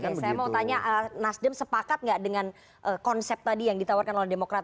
oke saya mau tanya nasdem sepakat nggak dengan konsep tadi yang ditawarkan oleh demokrat